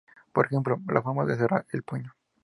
Por ejemplo, la forma de cerrar el puño.